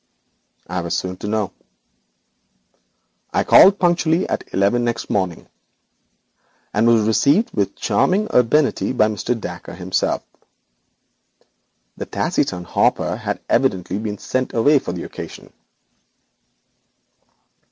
I was soon to know. I called punctually at eleven next morning, and was received with charming urbanity by Mr. Dacre himself. The taciturn Hopper had evidently been sent away for the occasion.